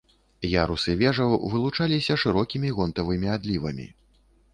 Ярусы вежаў вылучаліся шырокімі гонтавымі адлівамі.